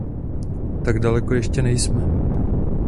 Tak daleko ještě nejsme.